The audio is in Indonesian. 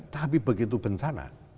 tapi begitu bencana